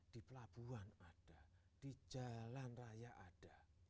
di pelabuhan ada di jalan raya ada